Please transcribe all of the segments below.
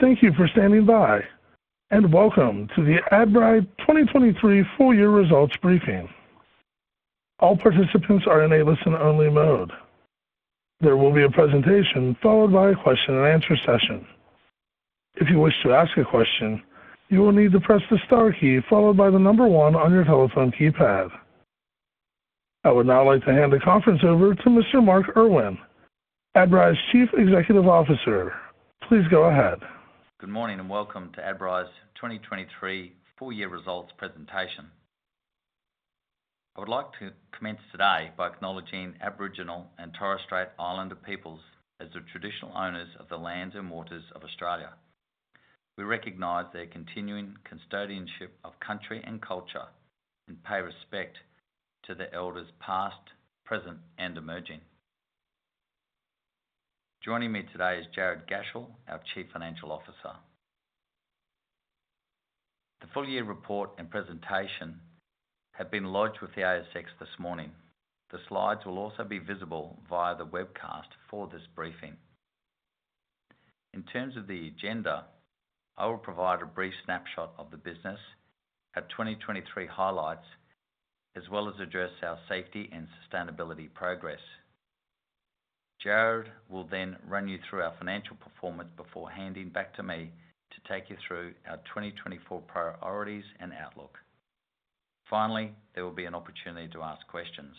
Thank you for standing by, and welcome to the Adbri 2023 full-year results briefing. All participants are in a listen-only mode. There will be a presentation followed by a question-and-answer session. If you wish to ask a question, you will need to press the star key followed by the number one on your telephone keypad. I would now like to hand the conference over to Mr. Mark Irwin, Adbri's Chief Executive Officer. Please go ahead. Good morning and welcome to Adbri's 2023 full-year results presentation. I would like to commence today by acknowledging Aboriginal and Torres Strait Islander peoples as the Traditional Owners of the lands and waters of Australia. We recognize their continuing custodianship of Country and culture and pay respect to the Elders past, present, and emerging. Joining me today is Jared Gashel, our Chief Financial Officer. The full-year report and presentation have been lodged with the ASX this morning. The slides will also be visible via the webcast for this briefing. In terms of the agenda, I will provide a brief snapshot of the business at 2023 highlights as well as address our safety and sustainability progress. Jared will then run you through our financial performance before handing back to me to take you through our 2024 priorities and outlook. Finally, there will be an opportunity to ask questions.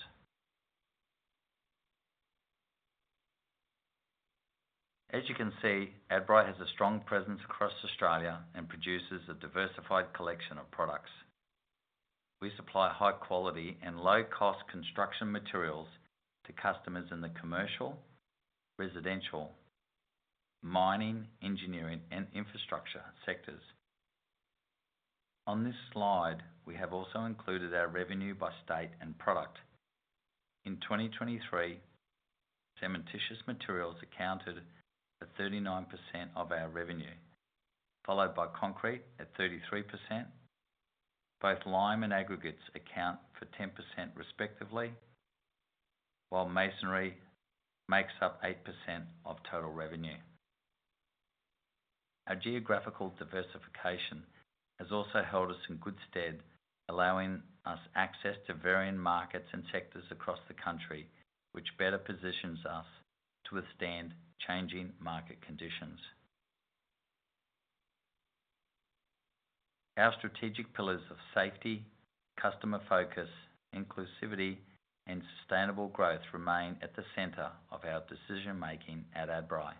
As you can see, Adbri has a strong presence across Australia and produces a diversified collection of products. We supply high-quality and low-cost construction materials to customers in the commercial, residential, mining, engineering, and infrastructure sectors. On this slide, we have also included our revenue by state and product. In 2023, Cementitious Materials accounted for 39% of our revenue, followed by Concrete at 33%. Both Lime and Aggregates account for 10% respectively, while Masonry makes up 8% of total revenue. Our geographical diversification has also held us in good stead, allowing us access to varying markets and sectors across the country, which better positions us to withstand changing market conditions. Our strategic pillars of safety, customer focus, inclusivity, and sustainable growth remain at the center of our decision-making at Adbri.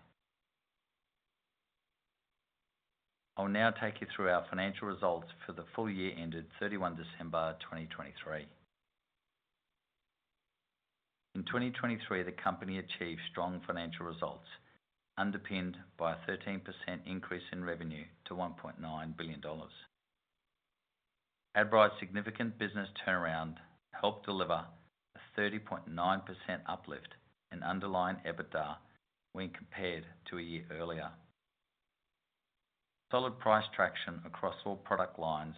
I'll now take you through our financial results for the full year ended 31 December 2023. In 2023, the company achieved strong financial results, underpinned by a 13% increase in revenue to 1.9 billion dollars. Adbri's significant business turnaround helped deliver a 30.9% uplift in underlying EBITDA when compared to a year earlier. Solid price traction across all product lines,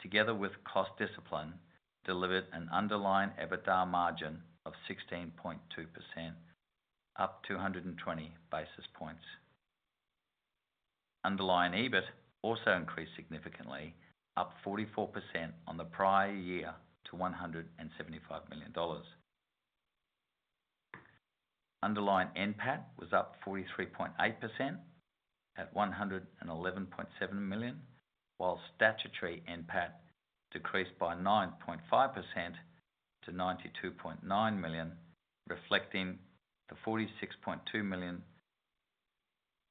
together with cost discipline, delivered an underlying EBITDA margin of 16.2%, up 220 basis points. Underlying EBIT also increased significantly, up 44% on the prior year to 175 million dollars. Underlying NPAT was up 43.8% at 111.7 million, while statutory NPAT decreased by 9.5% to 92.9 million, reflecting the 46.2 million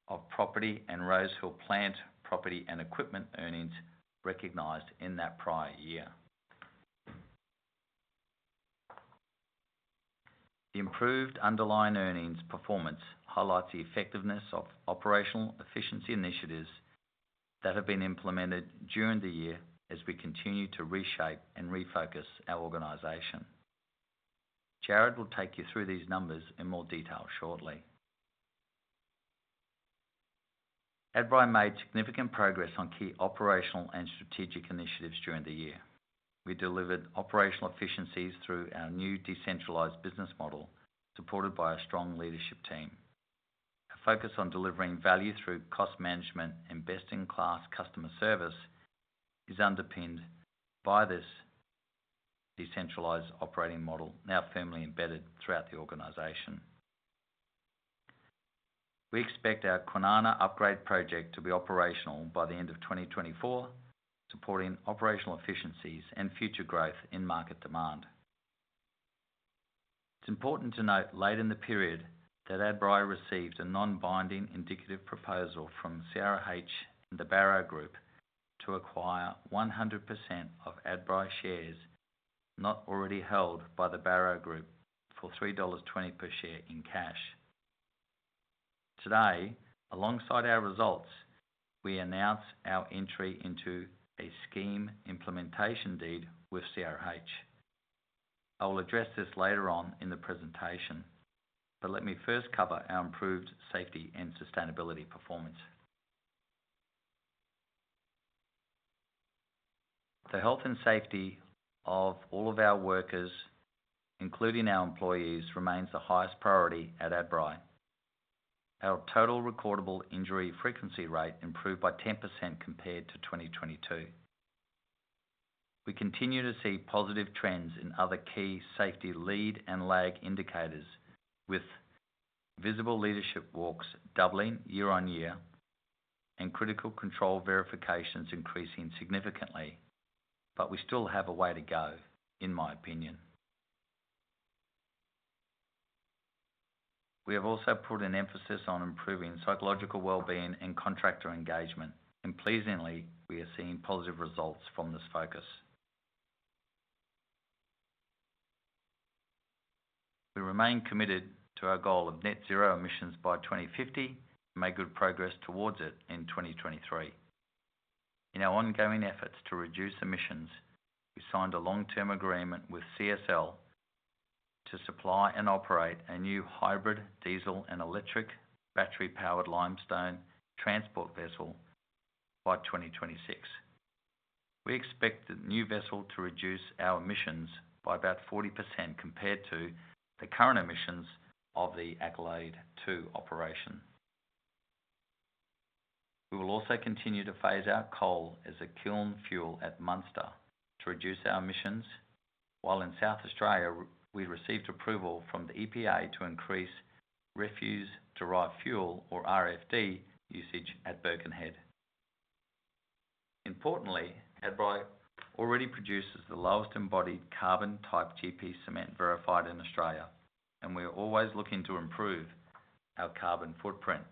of property and Rosehill plant property and equipment earnings recognised in that prior year. The improved underlying earnings performance highlights the effectiveness of operational efficiency initiatives that have been implemented during the year as we continue to reshape and refocus our organization. Jared will take you through these numbers in more detail shortly. Adbri made significant progress on key operational and strategic initiatives during the year. We delivered operational efficiencies through our new decentralized business model supported by a strong leadership team. A focus on delivering value through cost management and best-in-class customer service is underpinned by this decentralized operating model now firmly embedded throughout the organization. We expect our Kwinana Upgrade Project to be operational by the end of 2024, supporting operational efficiencies and future growth in market demand. It's important to note late in the period that Adbri received a non-binding indicative proposal from CRH and the Barro Group to acquire 100% of Adbri shares not already held by the Barro Group for 3.20 dollars per share in cash. Today, alongside our results, we announce our entry into a scheme implementation deed with CRH. I will address this later on in the presentation, but let me first cover our improved safety and sustainability performance. The health and safety of all of our workers, including our employees, remains the highest priority at Adbri. Our total recordable injury frequency rate improved by 10% compared to 2022. We continue to see positive trends in other key safety lead and lag indicators, with visible leadership walks doubling year-on-year and critical control verifications increasing significantly. But we still have a way to go, in my opinion. We have also put an emphasis on improving psychological well-being and contractor engagement, and pleasingly, we are seeing positive results from this focus. We remain committed to our goal of net-zero emissions by 2050 and make good progress towards it in 2023. In our ongoing efforts to reduce emissions, we signed a long-term agreement with CSL to supply and operate a new hybrid diesel and electric battery-powered limestone transport vessel by 2026. We expect the new vessel to reduce our emissions by about 40% compared to the current emissions of the Accolade II operation. We will also continue to phase out coal as a kiln fuel at Munster to reduce our emissions, while in South Australia, we received approval from the EPA to increase refuse-derived fuel, or RDF, usage at Birkenhead. Importantly, Adbri already produces the lowest embodied carbon type GP cement verified in Australia, and we are always looking to improve our carbon footprint.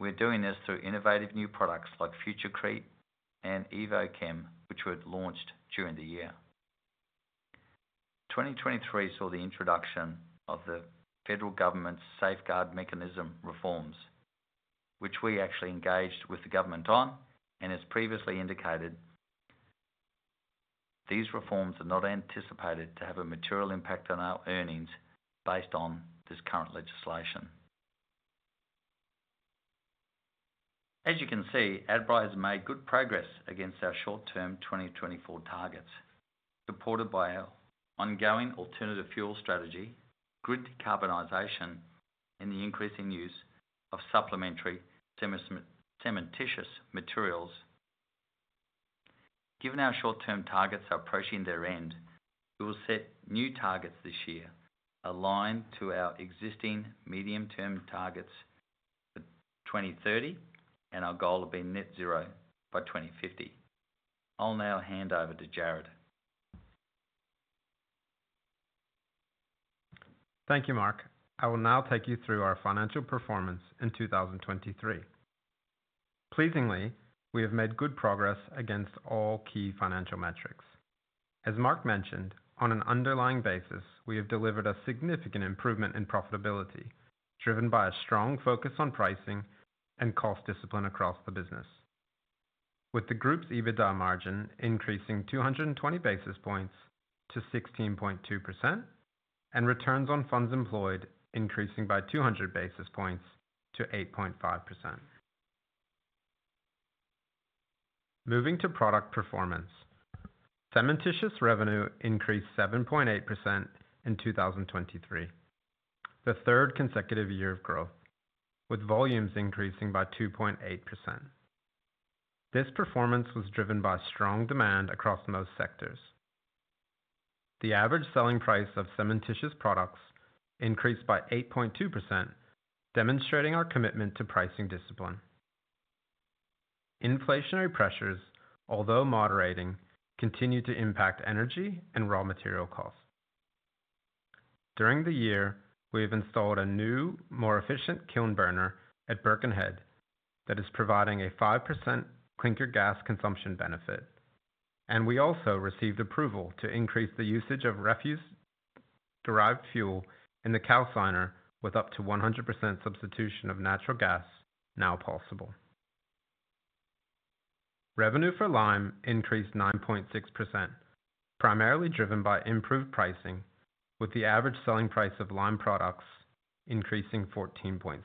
We're doing this through innovative new products like Futurecrete and EvoCem, which were launched during the year. 2023 saw the introduction of the federal government's Safeguard Mechanism reforms, which we actually engaged with the government on. As previously indicated, these reforms are not anticipated to have a material impact on our earnings based on this current legislation. As you can see, Adbri has made good progress against our short-term 2024 targets, supported by our ongoing alternative fuel strategy, grid decarbonization, and the increasing use of supplementary Cementitious Materials. Given our short-term targets are approaching their end, we will set new targets this year aligned to our existing medium-term targets for 2030, and our goal of being net-zero by 2050. I'll now hand over to Jared. Thank you, Mark. I will now take you through our financial performance in 2023. Pleasingly, we have made good progress against all key financial metrics. As Mark mentioned, on an underlying basis, we have delivered a significant improvement in profitability, driven by a strong focus on pricing and cost discipline across the business, with the group's EBITDA margin increasing 220 basis points to 16.2% and returns on funds employed increasing by 200 basis points to 8.5%. Moving to product performance, Cementitious revenue increased 7.8% in 2023, the third consecutive year of growth, with volumes increasing by 2.8%. This performance was driven by strong demand across most sectors. The average selling price of cementitious products increased by 8.2%, demonstrating our commitment to pricing discipline. Inflationary pressures, although moderating, continue to impact energy and raw material costs. During the year, we have installed a new, more efficient kiln burner at Birkenhead that is providing a 5% clinker gas consumption benefit, and we also received approval to increase the usage of refuse-derived fuel in the calciner with up to 100% substitution of natural gas, now possible. Revenue for Lime increased 9.6%, primarily driven by improved pricing, with the average selling price of lime products increasing 14.6%.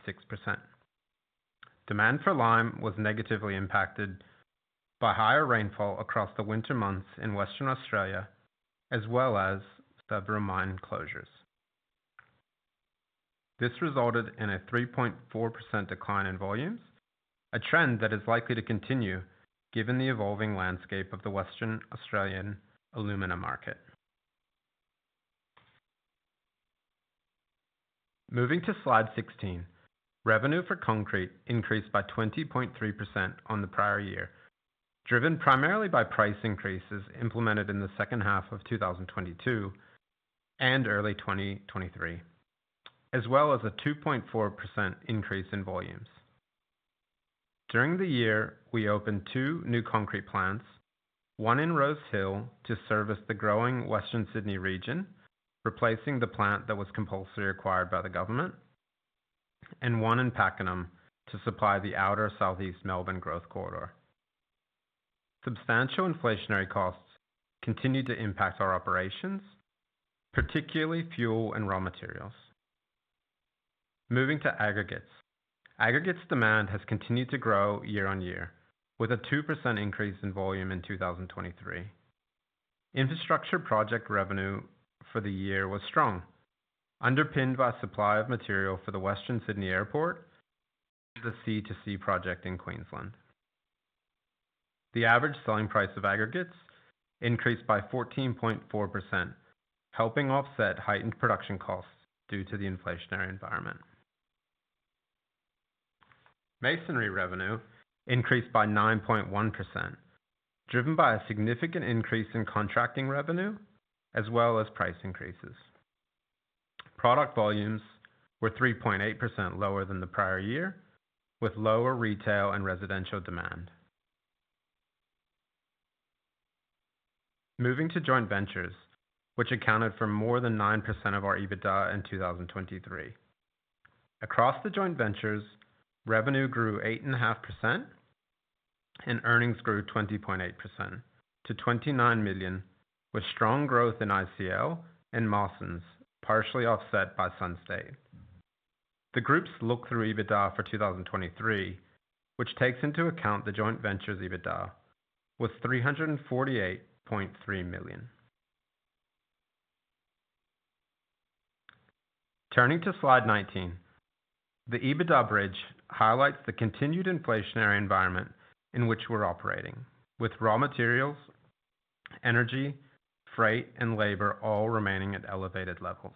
Demand for lime was negatively impacted by higher rainfall across the winter months in Western Australia, as well as several mine closures. This resulted in a 3.4% decline in volumes, a trend that is likely to continue given the evolving landscape of the Western Australian alumina market. Moving to slide 16, revenue for Concrete increased by 20.3% on the prior year, driven primarily by price increases implemented in the second half of 2022 and early 2023, as well as a 2.4% increase in volumes. During the year, we opened two new concrete plants, one in Rosehill to service the growing Western Sydney region, replacing the plant that was compulsorily acquired by the government, and one in Pakenham to supply the outer southeast Melbourne growth corridor. Substantial inflationary costs continued to impact our operations, particularly fuel and raw materials. Moving to Aggregates, aggregates demand has continued to grow year-on-year, with a 2% increase in volume in 2023. Infrastructure project revenue for the year was strong, underpinned by supply of material for the Western Sydney Airport and the C2C project in Queensland. The average selling price of aggregates increased by 14.4%, helping offset heightened production costs due to the inflationary environment. Masonry revenue increased by 9.1%, driven by a significant increase in contracting revenue as well as price increases. Product volumes were 3.8% lower than the prior year, with lower retail and residential demand. Moving to joint ventures, which accounted for more than 9% of our EBITDA in 2023. Across the joint ventures, revenue grew 8.5% and earnings grew 20.8% to 29 million, with strong growth in ICL and Mawsons, partially offset by Sunstate. The group's look-through EBITDA for 2023, which takes into account the joint ventures' EBITDA, was AUD 348.3 million. Turning to slide 19, the EBITDA bridge highlights the continued inflationary environment in which we're operating, with raw materials, energy, freight, and labor all remaining at elevated levels.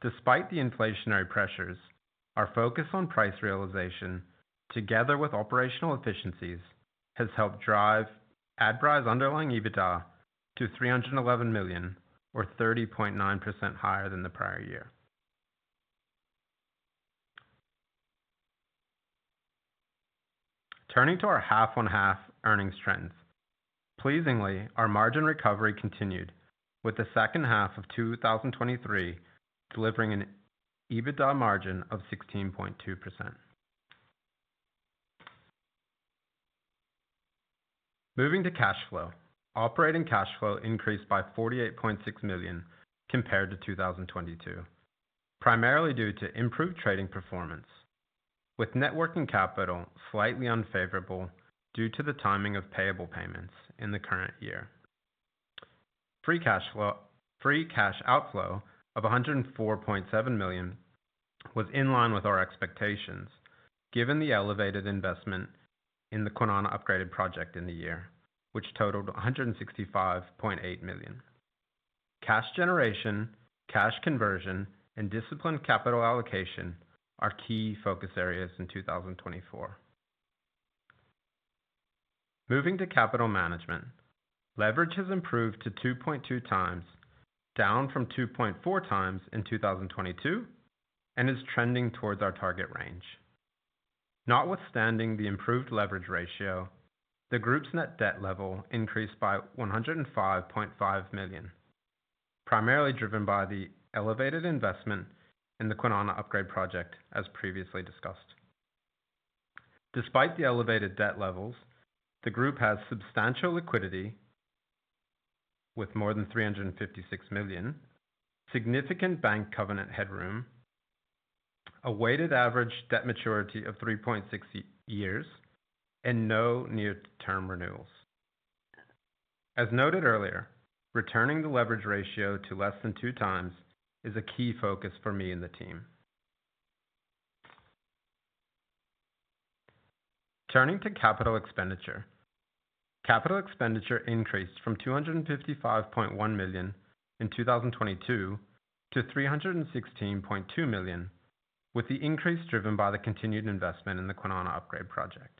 Despite the inflationary pressures, our focus on price realization, together with operational efficiencies, has helped drive Adbri's underlying EBITDA to 311 million, or 30.9% higher than the prior year. Turning to our half-on-half earnings trends, pleasingly, our margin recovery continued, with the second half of 2023 delivering an EBITDA margin of 16.2%. Moving to cash flow, operating cash flow increased by 48.6 million compared to 2022, primarily due to improved trading performance, with net working capital slightly unfavorable due to the timing of payable payments in the current year. Free cash outflow of 104.7 million was in line with our expectations, given the elevated investment in the Kwinana Upgrade Project in the year, which totaled 165.8 million. Cash generation, cash conversion, and disciplined capital allocation are key focus areas in 2024. Moving to capital management, leverage has improved to 2.2x, down from 2.4x in 2022, and is trending towards our target range. Notwithstanding the improved leverage ratio, the group's net debt level increased by 105.5 million, primarily driven by the elevated investment in the Kwinana Upgrade Project, as previously discussed. Despite the elevated debt levels, the group has substantial liquidity with more than 356 million, significant bank covenant headroom, a weighted average debt maturity of 3.6 years, and no near-term renewals. As noted earlier, returning the leverage ratio to less than 2x is a key focus for me and the team. Turning to capital expenditure, capital expenditure increased from 255.1 million in 2022 to 316.2 million, with the increase driven by the continued investment in the Kwinana Upgrade Project.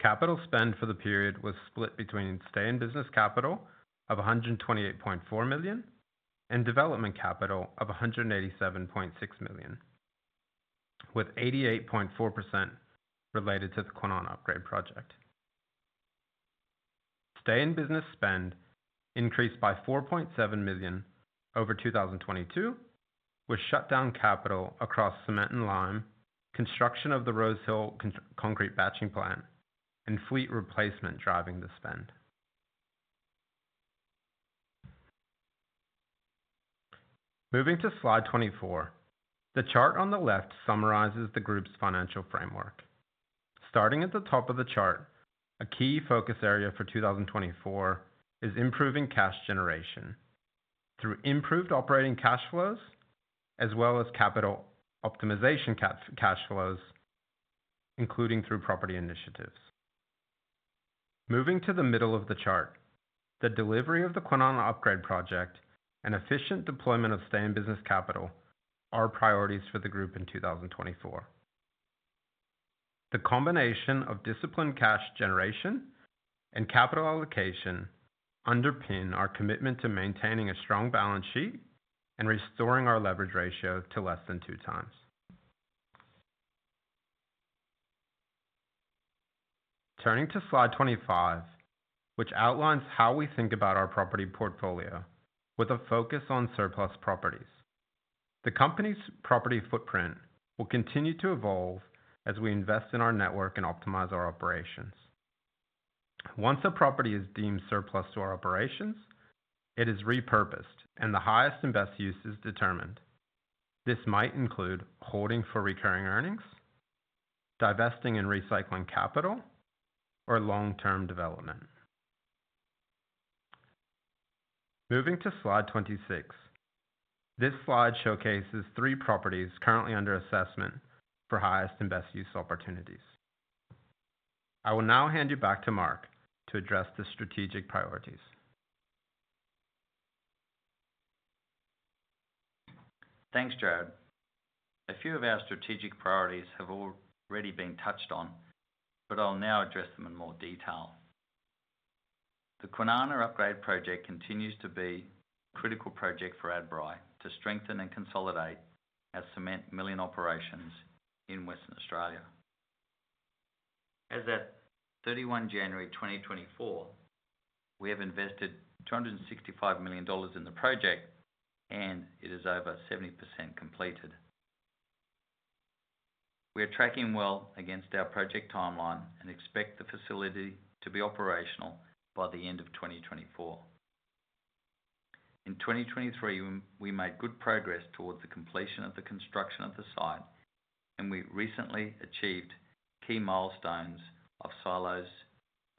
Capital spend for the period was split between stay-in-business capital of 128.4 million and development capital of 187.6 million, with 88.4% related to the Kwinana Upgrade Project. Stay-in-business spend increased by 4.7 million over 2022, with shutdown capital across Cement and Lime, construction of the Rosehill concrete batching plant, and fleet replacement driving the spend. Moving to slide 24, the chart on the left summarizes the group's financial framework. Starting at the top of the chart, a key focus area for 2024 is improving cash generation through improved operating cash flows as well as capital optimization cash flows, including through property initiatives. Moving to the middle of the chart, the delivery of the Kwinana Upgrade Project and efficient deployment of stay-in-business capital are priorities for the group in 2024. The combination of disciplined cash generation and capital allocation underpin our commitment to maintaining a strong balance sheet and restoring our leverage ratio to less than 2x. Turning to slide 25, which outlines how we think about our property portfolio with a focus on surplus properties, the company's property footprint will continue to evolve as we invest in our network and optimize our operations. Once a property is deemed surplus to our operations, it is repurposed, and the highest and best use is determined. This might include holding for recurring earnings, divesting and recycling capital, or long-term development. Moving to slide 26, this slide showcases three properties currently under assessment for highest and best use opportunities. I will now hand you back to Mark to address the strategic priorities. Thanks, Jared. A few of our strategic priorities have already been touched on, but I'll now address them in more detail. The Kwinana Upgrade Project continues to be a critical project for Adbri to strengthen and consolidate our cement milling operations in Western Australia. As of 31 January 2024, we have invested 265 million dollars in the project, and it is over 70% completed. We are tracking well against our project timeline and expect the facility to be operational by the end of 2024. In 2023, we made good progress towards the completion of the construction of the site, and we recently achieved key milestones of silos,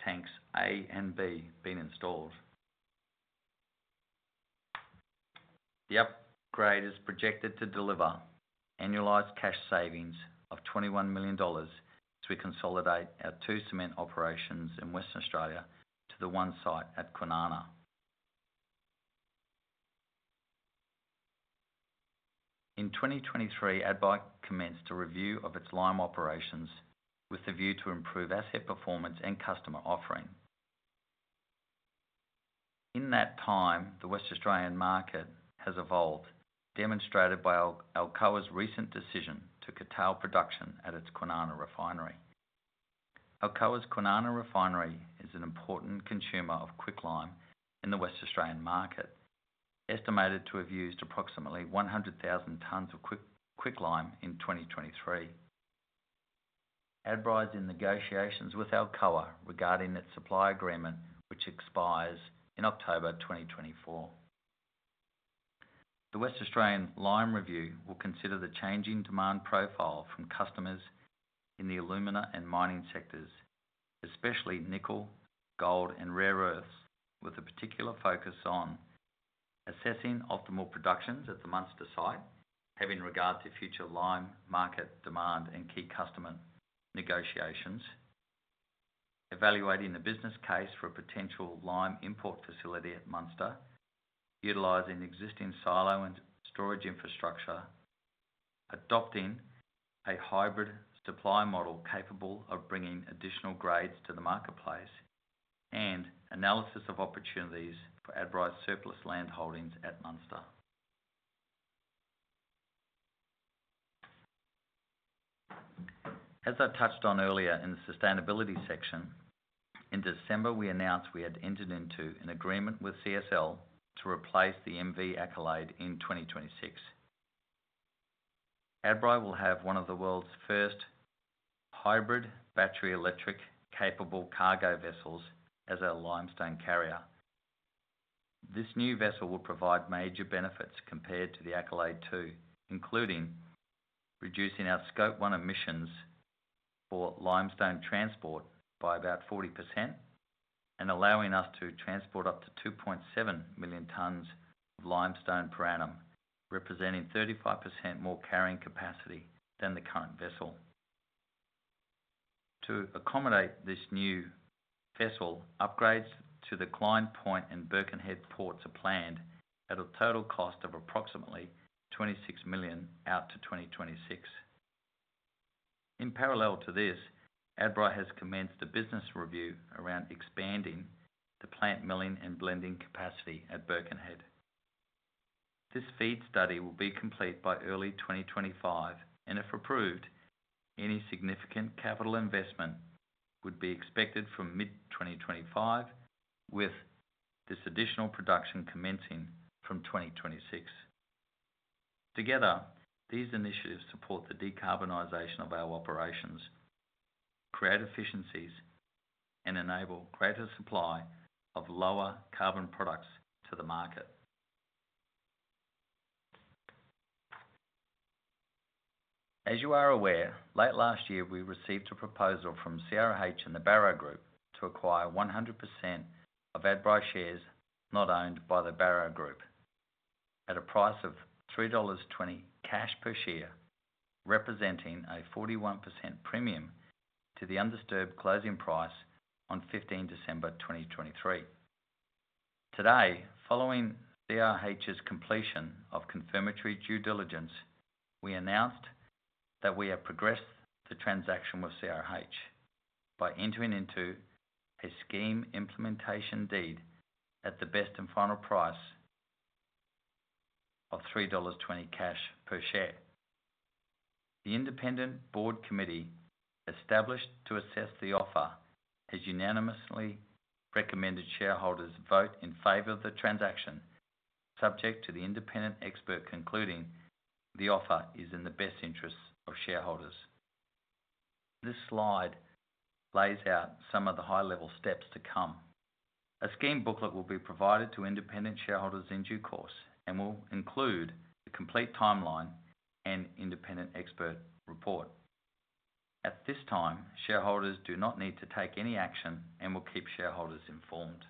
tanks A and B being installed. The upgrade is projected to deliver annualized cash savings of 21 million dollars as we consolidate our two cement operations in Western Australia to the one site at Kwinana. In 2023, Adbri commenced a review of its lime operations with the view to improve asset performance and customer offering. In that time, the Western Australian market has evolved, demonstrated by Alcoa's recent decision to curtail production at its Kwinana refinery. Alcoa's Kwinana refinery is an important consumer of quicklime in the Western Australian market, estimated to have used approximately 100,000 tons of quicklime in 2023. Adbri is in negotiations with Alcoa regarding its supply agreement, which expires in October 2024. The Western Australian lime review will consider the changing demand profile from customers in the alumina and mining sectors, especially nickel, gold, and rare earths, with a particular focus on assessing optimal productions at the Munster site having regard to future lime market demand and key customer negotiations, evaluating the business case for a potential lime import facility at Munster, utilizing existing silo and storage infrastructure, adopting a hybrid supply model capable of bringing additional grades to the marketplace, and analysis of opportunities for Adbri's surplus land holdings at Munster. As I touched on earlier in the sustainability section, in December we announced we had entered into an agreement with CSL to replace the MV Accolade in 2026. Adbri will have one of the world's first hybrid-battery electric-capable cargo vessels as a limestone carrier. This new vessel would provide major benefits compared to the Accolade II, including reducing our Scope 1 emissions for limestone transport by about 40% and allowing us to transport up to 2.7 million tons of limestone per annum, representing 35% more carrying capacity than the current vessel. To accommodate this new vessel, upgrades to the Klein Point and Birkenhead ports are planned at a total cost of approximately 26 million out to 2026. In parallel to this, Adbri has commenced a business review around expanding the plant milling and blending capacity at Birkenhead. This feed study will be complete by early 2025, and if approved, any significant capital investment would be expected from mid-2025, with this additional production commencing from 2026. Together, these initiatives support the decarbonization of our operations, create efficiencies, and enable greater supply of lower carbon products to the market. As you are aware, late last year we received a proposal from CRH and the Barro Group to acquire 100% of Adbri shares not owned by the Barro Group at a price of 3.20 dollars cash per share, representing a 41% premium to the undisturbed closing price on 15 December 2023. Today, following CRH's completion of confirmatory due diligence, we announced that we have progressed the transaction with CRH by entering into a scheme implementation deed at the best and final price of 3.20 dollars cash per share. The independent board committee established to assess the offer has unanimously recommended shareholders vote in favor of the transaction, subject to the independent expert concluding the offer is in the best interests of shareholders. This slide lays out some of the high-level steps to come. A scheme booklet will be provided to independent shareholders in due course and will include the complete timeline and independent expert report. At this time, shareholders do not need to take any action and will keep shareholders informed.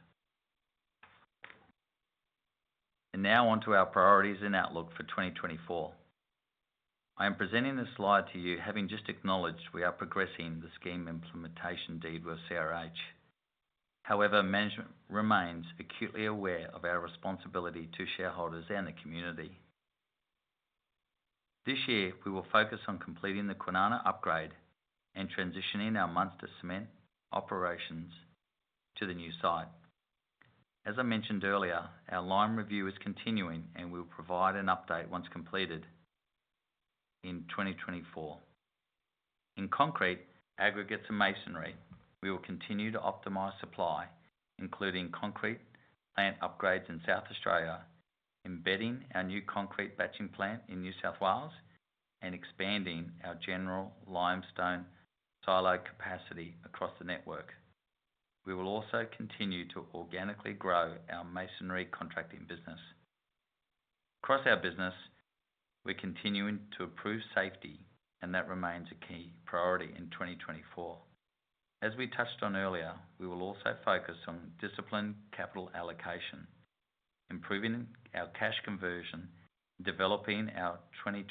Now onto our priorities and outlook for 2024. I am presenting this slide to you having just acknowledged we are progressing the scheme implementation deed with CRH. However, management remains acutely aware of our responsibility to shareholders and the community. This year we will focus on completing the Kwinana upgrade and transitioning our Munster cement operations to the new site. As I mentioned earlier, our lime review is continuing and we will provide an update once completed in 2024. In concrete aggregates and masonry, we will continue to optimize supply, including concrete plant upgrades in South Australia, embedding our new concrete batching plant in New South Wales, and expanding our general limestone silo capacity across the network. We will also continue to organically grow our masonry contracting business. Across our business, we're continuing to improve safety, and that remains a key priority in 2024. As we touched on earlier, we will also focus on disciplined capital allocation, improving our cash conversion, and developing our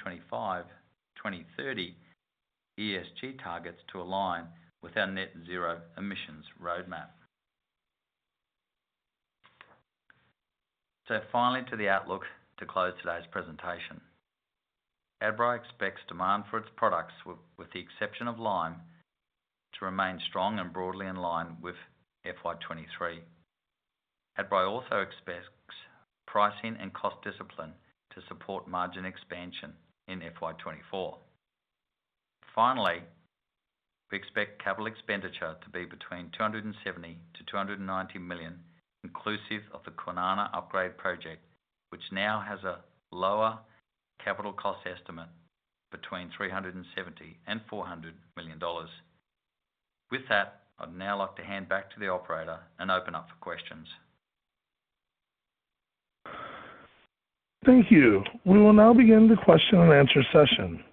2025-2030 ESG targets to align with our net zero emissions roadmap. Finally, to the outlook to close today's presentation. Adbri expects demand for its products, with the exception of lime, to remain strong and broadly in line with FY 2023. Adbri also expects pricing and cost discipline to support margin expansion in FY 2024. Finally, we expect capital expenditure to be between 270 million-290 million, inclusive of the Kwinana Upgrade Project, which now has a lower capital cost estimate between 370 million and 400 million dollars. With that, I've now like to hand back to the operator and open up for questions. Thank you. We will now begin the question-and-answer session.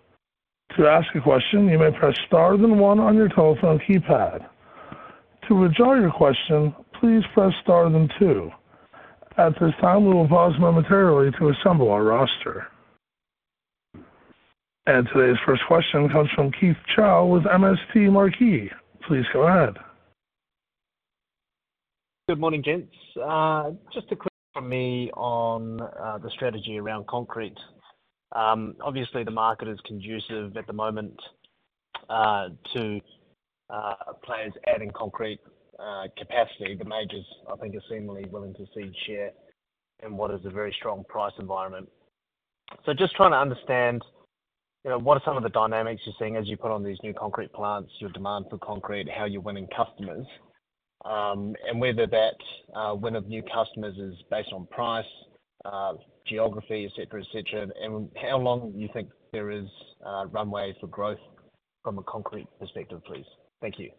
To ask a question, you may press star then one on your telephone keypad. To withdraw your question, please press star then two. At this time, we will pause momentarily to assemble our roster. And today's first question comes from Keith Chau with MST Marquee. Please go ahead. Good morning, gents. Just a quick from me on the strategy around concrete. Obviously, the market is conducive at the moment to players adding concrete capacity. The majors, I think, are seemingly willing to cede share in what is a very strong price environment. So just trying to understand what are some of the dynamics you're seeing as you put on these new concrete plants, your demand for concrete, how you're winning customers, and whether that win of new customers is based on price, geography, etc., etc., and how long you think there is runway for growth from a concrete perspective, please. Thank you.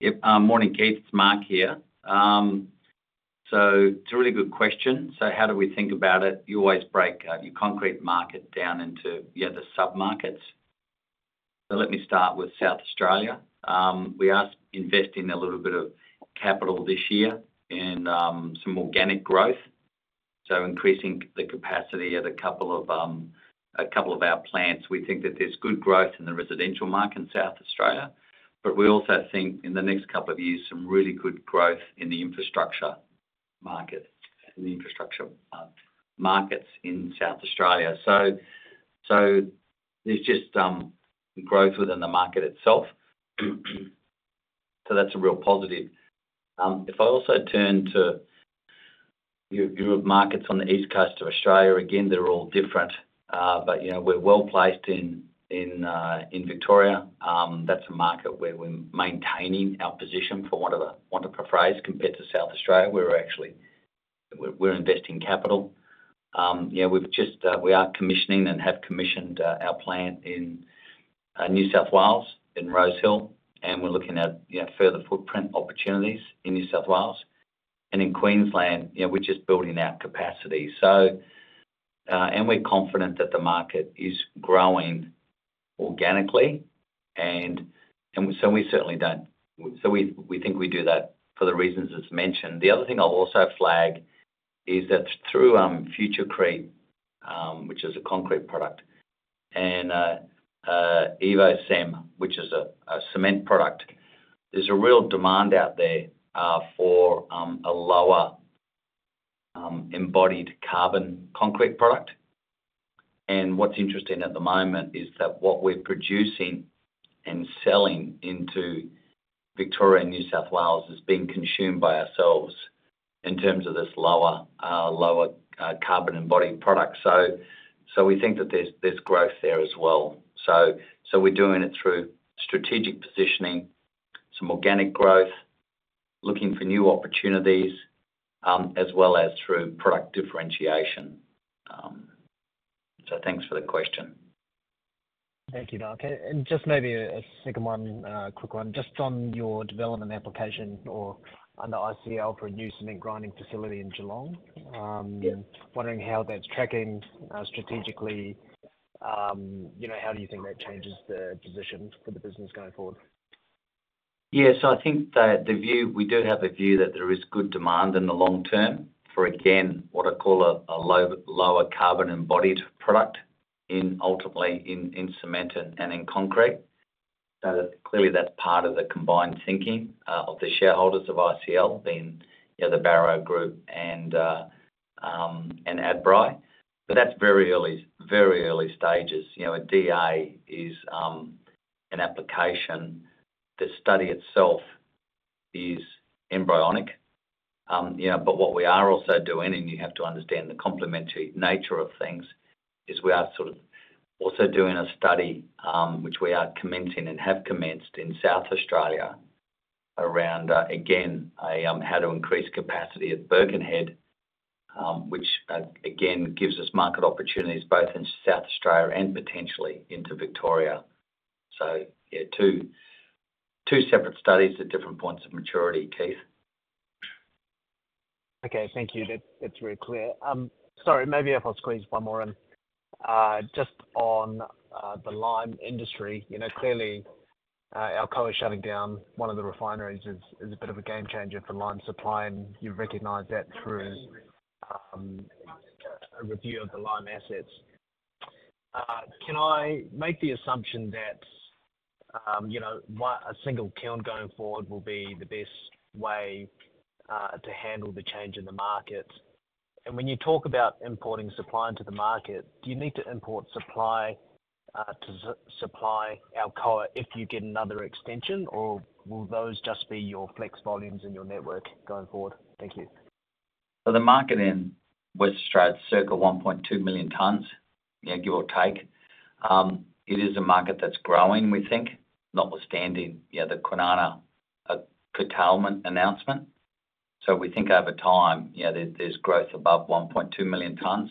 Yep. Morning, Keith. It's Mark here. It's a really good question. How do we think about it? You always break your concrete market down into the submarkets. Let me start with South Australia. We are investing a little bit of capital this year in some organic growth, so increasing the capacity of a couple of our plants. We think that there's good growth in the residential market in South Australia, but we also think in the next couple of years some really good growth in the infrastructure markets in South Australia. There's just growth within the market itself, so that's a real positive. If I also turn to your markets on the east coast of Australia, again, they're all different, but we're well placed in Victoria. That's a market where we're maintaining our position for want to paraphrase, compared to South Australia, where we're investing capital. We are commissioning and have commissioned our plant in New South Wales in Rosehill, and we're looking at further footprint opportunities in New South Wales. In Queensland, we're just building out capacity. We're confident that the market is growing organically, and so we certainly don't so we think we do that for the reasons that's mentioned. The other thing I'll also flag is that through Futurecrete, which is a concrete product, and EvoCem, which is a cement product, there's a real demand out there for a lower embodied carbon concrete product. What's interesting at the moment is that what we're producing and selling into Victoria and New South Wales is being consumed by ourselves in terms of this lower carbon embodied product. So we think that there's growth there as well. We're doing it through strategic positioning, some organic growth, looking for new opportunities, as well as through product differentiation. Thanks for the question. Thank you, Mark. Just maybe a second one, quick one. Just on your development application under ICL for a new cement grinding facility in Geelong, wondering how that's tracking strategically? How do you think that changes the position for the business going forward? Yeah. So I think that the view we do have a view that there is good demand in the long term for, again, what I call a lower carbon embodied product, ultimately in cement and in concrete. So clearly, that's part of the combined thinking of the shareholders of ICL, being the Barro Group and Adbri. But that's very early stages. A DA is an application. The study itself is embryonic. But what we are also doing, and you have to understand the complementary nature of things, is we are sort of also doing a study which we are commencing and have commenced in South Australia around, again, how to increase capacity at Birkenhead, which, again, gives us market opportunities both in South Australia and potentially into Victoria. So yeah, two separate studies at different points of maturity, Keith. Okay. Thank you. That's really clear. Sorry, maybe if I'll squeeze one more. Just on the lime industry, clearly, Alcoa shutting down one of the refineries is a bit of a game changer for lime supply, and you recognise that through a review of the lime assets. Can I make the assumption that a single kiln going forward will be the best way to handle the change in the market? And when you talk about importing supply into the market, do you need to import supply to supply Alcoa if you get another extension, or will those just be your flex volumes in your network going forward? Thank you. The market in Western Australia is circa 1.2 million tons, give or take. It is a market that's growing, we think, notwithstanding the Kwinana curtailment announcement. We think over time there's growth above 1.2 million tons.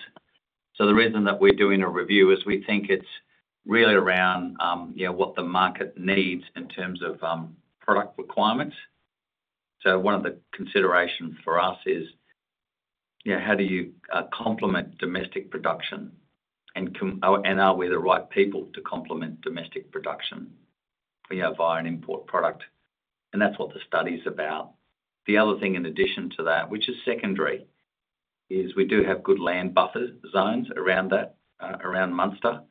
The reason that we're doing a review is we think it's really around what the market needs in terms of product requirements. One of the considerations for us is how do you complement domestic production, and are we the right people to complement domestic production via an import product? And that's what the study's about. The other thing in addition to that, which is secondary, is we do have good land buffer zones around Munster.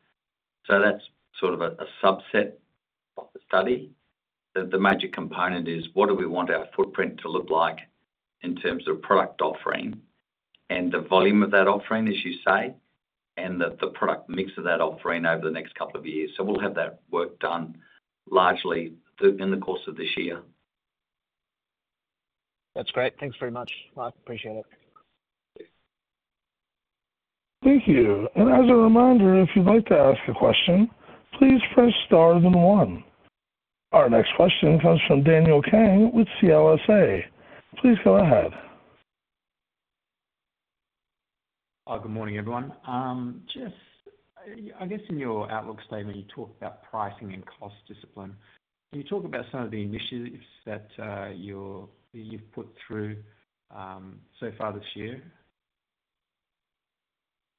That's sort of a subset of the study. The major component is what do we want our footprint to look like in terms of product offering and the volume of that offering, as you say, and the product mix of that offering over the next couple of years. We'll have that work done largely in the course of this year. That's great. Thanks very much, Mark. Appreciate it. Thank you. As a reminder, if you'd like to ask a question, please press star then one. Our next question comes from Daniel Kang with CLSA. Please go ahead. Good morning, everyone. I guess in your outlook statement, you talk about pricing and cost discipline. Can you talk about some of the initiatives that you've put through so far this year?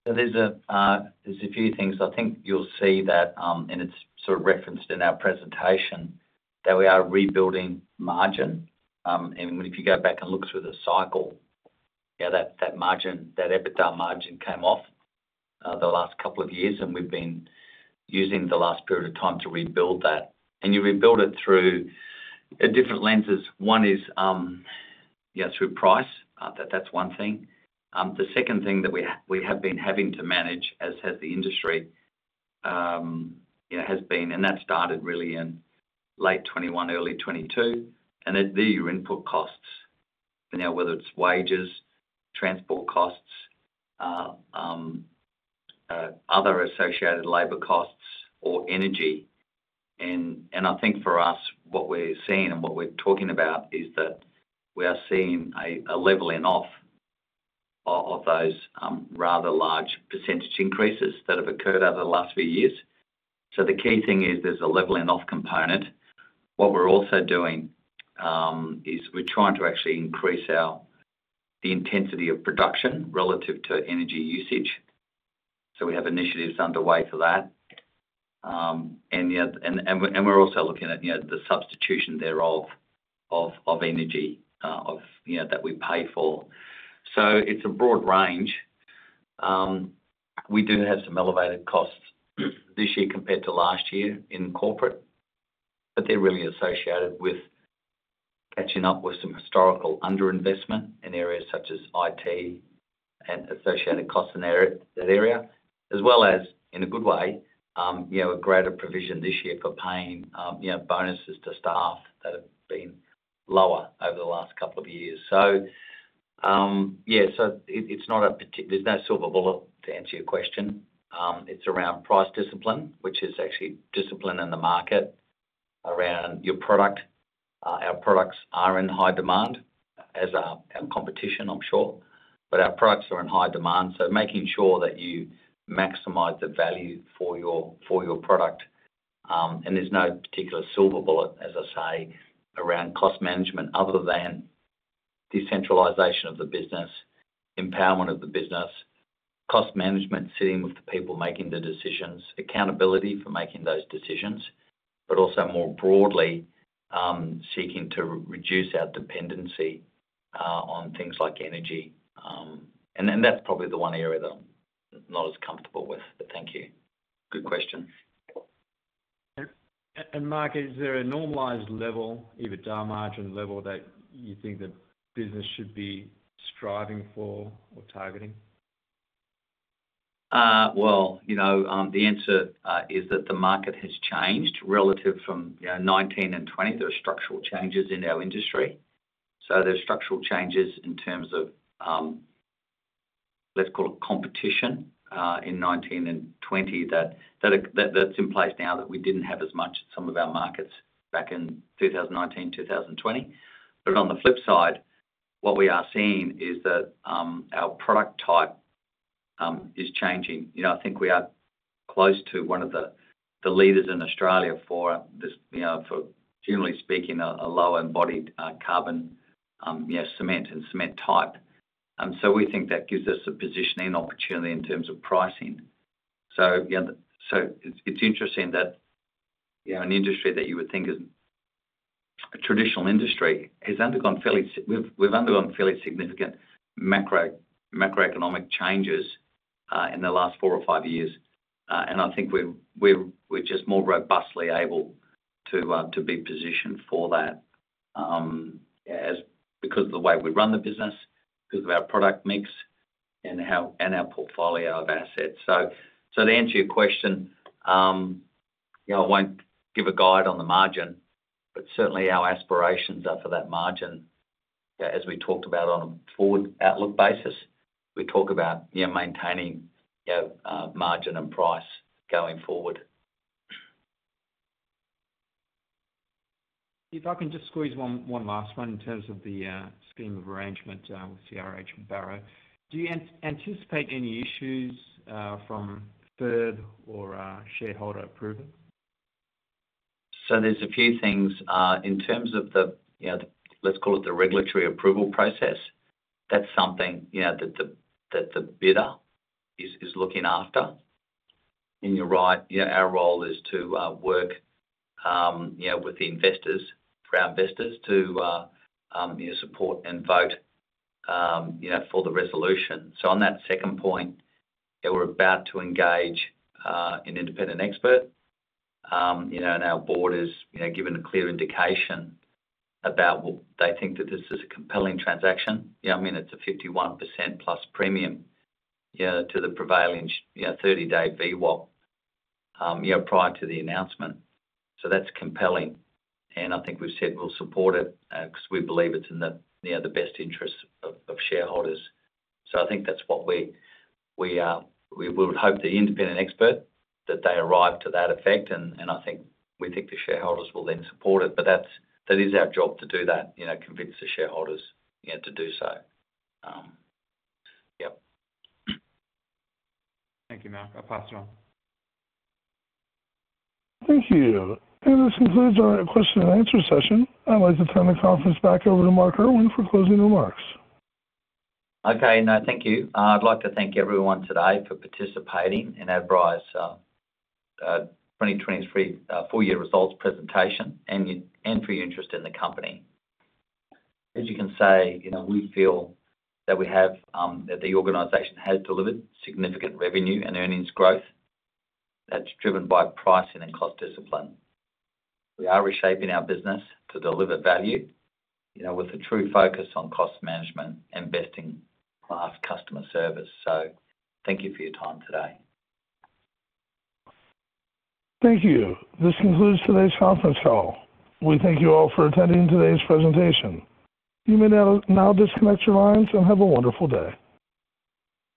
There's a few things. I think you'll see that, and it's sort of referenced in our presentation, that we are rebuilding margin. And if you go back and look through the cycle, that EBITDA margin came off the last couple of years, and we've been using the last period of time to rebuild that. And you rebuild it through different lenses. One is through price. That's one thing. The second thing that we have been having to manage, as has the industry, has been, and that started really in late 2021, early 2022. And there, your input costs. Now, whether it's wages, transport costs, other associated labor costs, or energy. And I think for us, what we're seeing and what we're talking about is that we are seeing a leveling off of those rather large percentage increases that have occurred over the last few years. So the key thing is there's a leveling off component. What we're also doing is we're trying to actually increase the intensity of production relative to energy usage. So we have initiatives underway for that. And we're also looking at the substitution there of energy that we pay for. So it's a broad range. We do have some elevated costs this year compared to last year in corporate, but they're really associated with catching up with some historical underinvestment in areas such as IT and associated costs in that area, as well as, in a good way, a greater provision this year for paying bonuses to staff that have been lower over the last couple of years. So yeah, so it's not a particular; there's no silver bullet to answer your question. It's around price discipline, which is actually discipline in the market around your product. Our products are in high demand as our competition, I'm sure, but our products are in high demand. So making sure that you maximize the value for your product. And there's no particular silver bullet, as I say, around cost management other than decentralization of the business, empowerment of the business, cost management sitting with the people making the decisions, accountability for making those decisions, but also more broadly seeking to reduce our dependency on things like energy. And that's probably the one area that I'm not as comfortable with, but thank you. Good question. Mark, is there a normalized level, EBITDA margin level, that you think the business should be striving for or targeting? Well, the answer is that the market has changed relative from 2019 and 2020. There are structural changes in our industry. So there's structural changes in terms of, let's call it, competition in 2019 and 2020 that's in place now that we didn't have as much at some of our markets back in 2019, 2020. But on the flip side, what we are seeing is that our product type is changing. I think we are close to one of the leaders in Australia for, generally speaking, a lower embodied carbon cement and cement type. So we think that gives us a positioning opportunity in terms of pricing. So it's interesting that an industry that you would think is a traditional industry has undergone fairly. We've undergone fairly significant macroeconomic changes in the last four or five years. I think we're just more robustly able to be positioned for that because of the way we run the business, because of our product mix, and our portfolio of assets. To answer your question, I won't give a guide on the margin, but certainly our aspirations are for that margin. As we talked about on a forward outlook basis, we talk about maintaining margin and price going forward. If I can just squeeze one last one in terms of the scheme of arrangement with CRH and Barro, do you anticipate any issues from FIRB or shareholder approval? So there's a few things. In terms of the, let's call it, the regulatory approval process, that's something that the bidder is looking after. And you're right, our role is to work with the investors, for our investors, to support and vote for the resolution. So on that second point, we're about to engage an independent expert. And our board is given a clear indication about what they think that this is a compelling transaction. I mean, it's a 51%+ premium to the prevailing 30-day VWAP prior to the announcement. So that's compelling. And I think we've said we'll support it because we believe it's in the best interests of shareholders. So I think that's what we would hope the independent expert, that they arrive to that effect. And I think the shareholders will then support it. That is our job to do that, convince the shareholders to do so. Yeah. Thank you, Mark. I'll pass it on. Thank you. This concludes our question-and-answer session. I'd like to turn the conference back over to Mark Irwin for closing remarks. Okay. No, thank you. I'd like to thank everyone today for participating in Adbri's 2023 full-year results presentation and for your interest in the company. As you can see, we feel that the organization has delivered significant revenue and earnings growth that's driven by pricing and cost discipline. We are reshaping our business to deliver value with a true focus on cost management and best-in-class customer service. So thank you for your time today. Thank you. This concludes today's conference call. We thank you all for attending today's presentation. You may now disconnect your lines and have a wonderful day.